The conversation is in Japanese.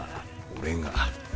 「俺が」。